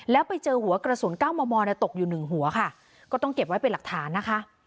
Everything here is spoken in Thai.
แล้วไปเจอหัวกระสุน๙มมตกอยู่หนึ่งหัวค่ะก็ต้องเก็บไว้เป็นหลักฐานนะคะ